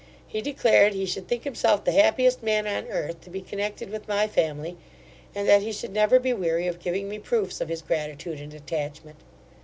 He declared, he should think himself the happiest man on earth to be connected with my family; and that he should never be weary of giving me proofs of his gratitude and attachment.